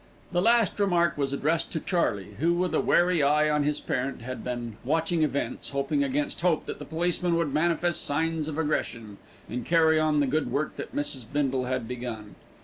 The last remark was addressed to Charley, who, with a wary eye on his parent, had been watching events, hoping against hope that the policeman would manifest signs of aggression, and carry on the good work that Mrs. Bindle had begun.